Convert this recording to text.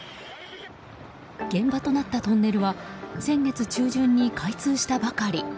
現場となったトンネルは先月中旬に開通したばかり。